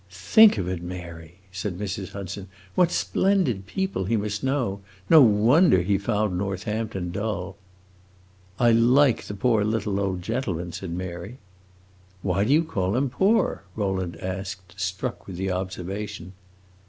"Think of it, Mary!" said Mrs. Hudson. "What splendid people he must know! No wonder he found Northampton dull!" "I like the poor little old gentleman," said Mary. "Why do you call him poor?" Rowland asked, struck with the observation.